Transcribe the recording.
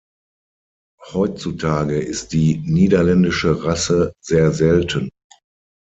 Heutzutage ist die niederländische Rasse sehr selten.